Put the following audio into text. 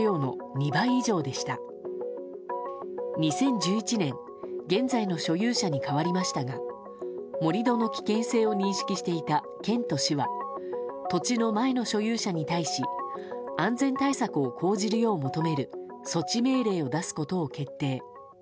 ２０１１年現在の所有者に変わりましたが盛り土の危険性を認識していた県と市は土地の前の所有者に対し安全対策を講じるよう求める措置命令を出すことを決定。